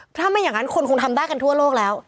ถ้าไม่อย่างนั้นคนคงทำได้กันทั่วโลกแล้ว